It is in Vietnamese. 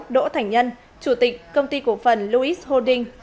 đỗ thành nhân chủ tịch công ty cổ phần lois holding